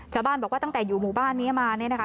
ชาวบ้านบอกว่าตั้งแต่อยู่หมู่บ้านนี้มาเนี่ยนะคะ